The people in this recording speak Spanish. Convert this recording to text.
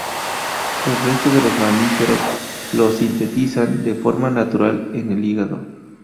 El resto de los mamíferos lo sintetizan de forma natural en el hígado.